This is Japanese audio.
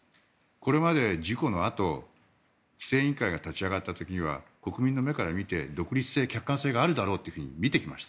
これまで事故のあと規制委員会が立ち上がった時には国民の目から見て独立性、客観性があるだろうと思って見てきました。